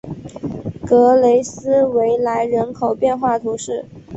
格雷斯维莱人口变化图示